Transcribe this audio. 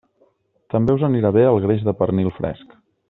També us anirà bé el greix de pernil fresc.